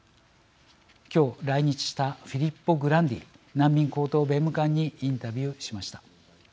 今日、来日したフィリッポ・グランディ難民高等弁務官にインタビューしました。